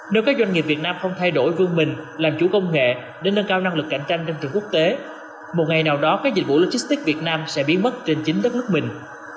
nếu các doanh nghiệp việt nam không thay đổi vương mình làm chủ công nghệ để nâng cao năng lực cạnh tranh trong trường quốc tế một ngày nào đó các dịch vụ logistics việt nam sẽ biến mất trên chính đất nước mình